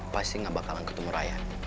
pasti gak bakalan ketemu raya